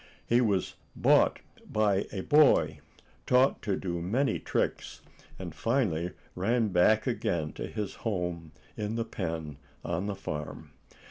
He was bought by a boy, taught to do many tricks, and finally ran back again to his home in the pen on the farm.